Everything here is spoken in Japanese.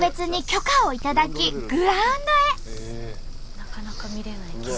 なかなか見れない景色。